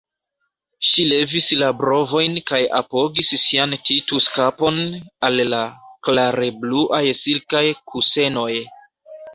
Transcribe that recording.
Ŝi levis la brovojn kaj apogis sian Titus-kapon al la klarebluaj silkaj kusenoj.